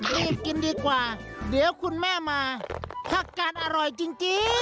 รีบกินดีกว่าเดี๋ยวคุณแม่มาผักการอร่อยจริง